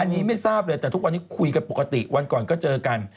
อันนี้ไม่ทราบเลยแต่ทุกวันนี้คุยกันปกติวันก่อนก็เจอกัน